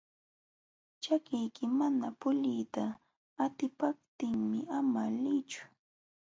Ćhakiyki mana puliyta atipaptinqa ama liychu.